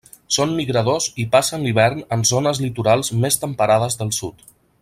Són migradors i passen l'hivern en zones litorals més temperades del sud.